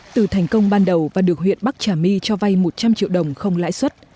từ thành công ban đầu và được huyện bắc trà my cho vay một trăm linh triệu đồng không lãi suất